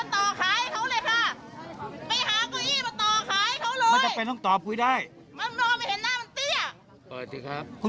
ม่าจะเป็นเรื่องค์ตอบคุยได้มามอไปเห็นหน้ามันเตี้ย